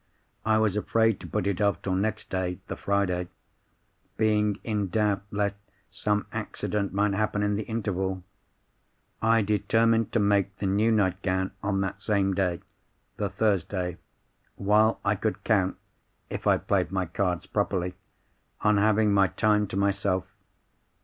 "I was afraid to put it off till next day (the Friday); being in doubt lest some accident might happen in the interval. I determined to make the new nightgown on that same day (the Thursday), while I could count, if I played my cards properly, on having my time to myself.